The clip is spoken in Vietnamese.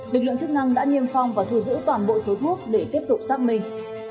lực lượng chức năng đã niêm phong và thu giữ toàn bộ số thuốc để tiếp tục xác minh